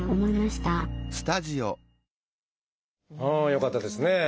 よかったですね。